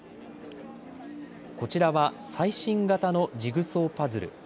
こちらは最新型のジグソーパズル。